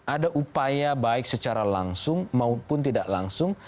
ada upaya baik secara langsung maupun tidak langsung